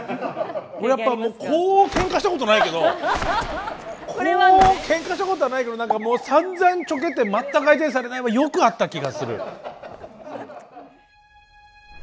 やっぱもうこうケンカしたことないけどこうケンカしたことはないけど何かもうさんざんちょけて全く相手にされないはよくあった気がする。